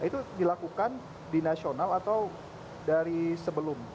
itu dilakukan di nasional atau dari sebelum